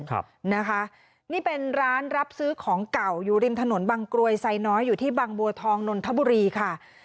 ครับนะคะนี่เป็นร้านรับซื้อของเก่าอยู่ริมถนนบางกรวยไซน้อยอยู่ที่บางบัวทองนนทบุรีค่ะ